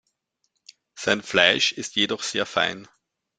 Sein Fleisch ist jedoch sehr fein.